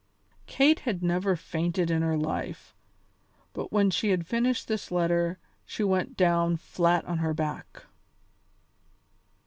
Kate had never fainted in her life, but when she had finished this letter she went down flat on her back.